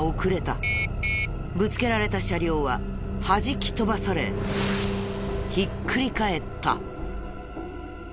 ぶつけられた車両ははじき飛ばされひっくり返った。